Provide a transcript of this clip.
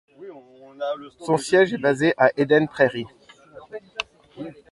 Son siège est basé à Eden Prairie.